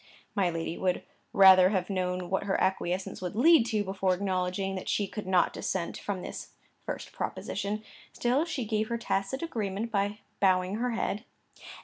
My lady would rather have known what her acquiescence would lead to, before acknowledging that she could not dissent from this first proposition; still she gave her tacit agreement by bowing her head.